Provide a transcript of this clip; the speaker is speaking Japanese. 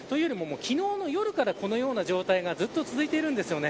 昨日の夜からこのような状態がずっと続いているんです。